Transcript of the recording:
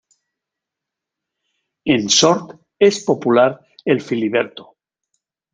En Sort es popular el filiberto.